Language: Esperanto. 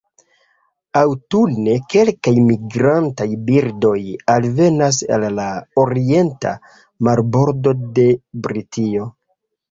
Aŭtune kelkaj migrantaj birdoj alvenas al la orienta marbordo de Britio.